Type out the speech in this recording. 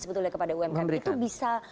sebetulnya kepada umkm itu bisa